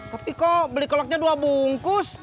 tapi kok beli keloknya dua bungkus